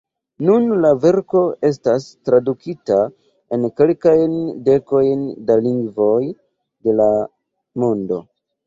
Nun la verko estas tradukita en kelkajn dekojn da lingvoj de la mondo.